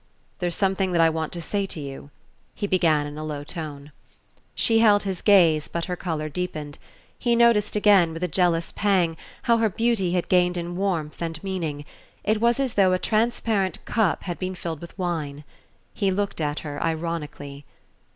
"There's something that I want to say to you," he began in a low tone. She held his gaze, but her color deepened. He noticed again, with a jealous pang, how her beauty had gained in warmth and meaning. It was as though a transparent cup had been filled with wine. He looked at her ironically.